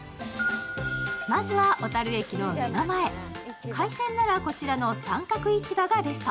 まずは小樽駅の目の前、海鮮ならこちらの三角市場がベスト。